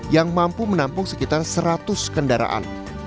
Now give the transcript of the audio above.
yang mampu menampung sekitar seratus kendaraan